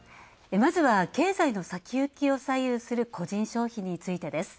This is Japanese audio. まずは経済の先行きを左右する個人消費についてです。